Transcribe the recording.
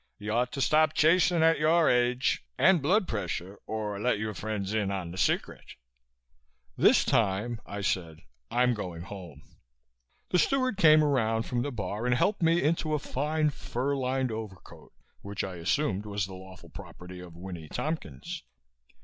You ought to stop chasing at your age and blood pressure or let your friends in on the secret." "This time," I said, "I'm going home." The steward came around from the bar and helped me into a fine fur lined overcoat which I assumed was the lawful property of Winnie Tompkins.